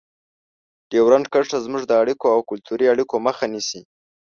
ډیورنډ کرښه زموږ د اړیکو او کلتوري اړیکو مخه نیسي.